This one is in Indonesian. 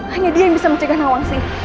hanya dia yang bisa mencegah nawangsi